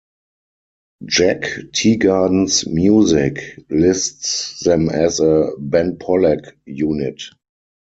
"Jack Teagarden's Music" lists them as a "Ben Pollack Unit".